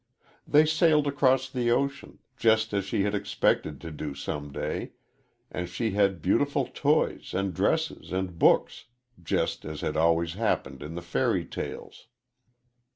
They sailed across the ocean, just as she had expected to do some day, and she had beautiful toys and dresses and books, just as had always happened in the fairy tales.